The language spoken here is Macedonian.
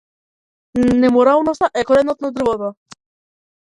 Неморалноста е коренот на дрвото.